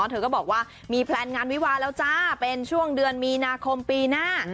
เธอก็บอกว่ามีแพลนงานวิวาแล้วจ้าเป็นช่วงเดือนมีนาคมปีหน้า